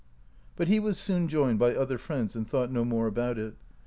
But he was soon joined by other friends, and thought no more about it.